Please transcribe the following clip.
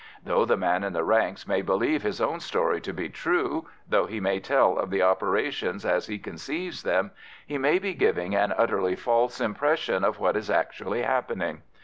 Though the man in the ranks may believe his own story to be true, though he may tell of the operations as he conceives them, he may be giving an utterly false impression of what is actually happening.